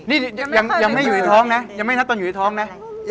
นี่ยังไม่อยู่ในท้องนะยังไม่ได้เจอกันอยู่ด้วย